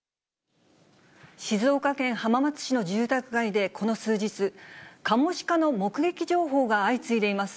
静岡県浜松市の住宅街でこの数日、カモシカの目撃情報が相次いでいます。